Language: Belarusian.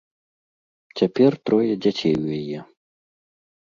Цяпер трое дзяцей у яе.